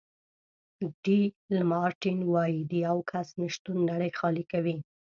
ډي لمارټین وایي د یو کس نه شتون نړۍ خالي کوي.